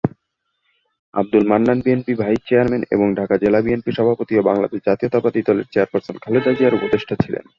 আব্দুল মান্নান বিএনপির vice chairman এবং ঢাকা জেলা বিএনপি সভাপতি ও বাংলাদেশ জাতীয়তাবাদী দলের চেয়ারপারসন খালেদা জিয়ার উপদেষ্টা ছিলেন।